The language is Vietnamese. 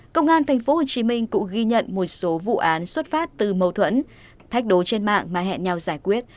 công an tp hcm cũng ghi nhận một số vụ án xuất phát từ mâu thuẫn thách đố trên mạng mà hẹn nhau giải quyết